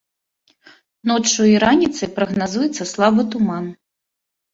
Ноччу і раніцай прагназуецца слабы туман.